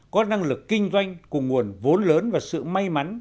có năng lực kinh doanh cùng nguồn vốn lớn và sự may mắn